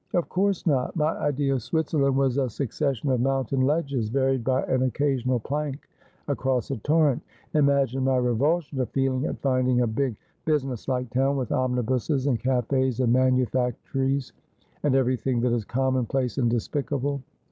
' Of course not. My idea of Switzerland was a succession of mountain ledges, varied by an occasional plank across a torrent. Imagine my revulsion of feeling at finding a big businesslike ' But I icot best wher ivringeth Me my Sho.' 281 town, with omnibuses, and cafes, and manufactories, and every thing that is common place and despicable.'